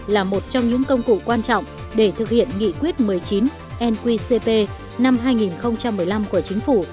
là một trong những công cụ quan trọng để thực hiện nghị quyết một mươi chín nqcp năm hai nghìn một mươi năm của chính phủ